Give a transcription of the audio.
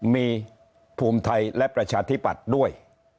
มีภูมิไทยและประชาธิปัตย์ด้วย